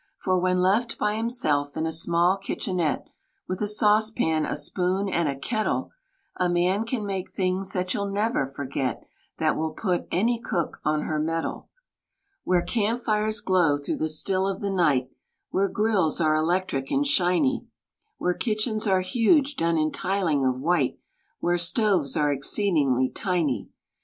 For when left by himself in a small kitchenette, fVith a saucepan, a spoon and a kettle, A man can make things that you'll never forget — That will put any cook on her mettle. Where camp fires glow through the still of the night. Where grills are electric and shiny, Where kitchens are huge, done in tiling of white. Where stoves are exceedingly tiny.